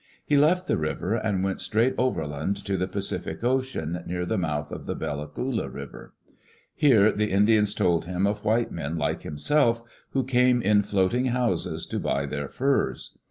He left the river and went straight overland to the Pacific Ocean, near the mouth of the Bella Coola River. Here the Indians told him of white men, like himself, who came in floating houses to buy their furs.